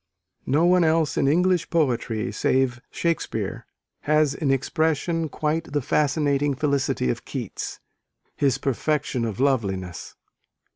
"No one else in English poetry, save Shakespeare, has in expression quite the fascinating felicity of Keats, his perfection of loveliness."